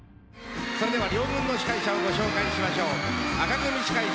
それでは両軍の司会者をご紹介しましょう。